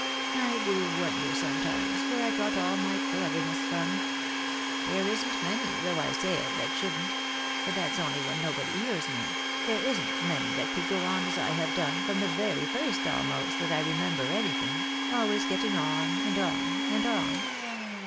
I do wonder sometimes, where I got all my cleverness from. There isn't many, though I say it that shouldn't — but that's only when nobody hears me — there isn't many that could go on as 1 have done, from the very first almost that I re member anything, always getting on, and on, and on.